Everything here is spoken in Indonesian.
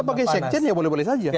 sebagai sekjen ya boleh boleh saja